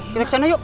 kita kesana yuk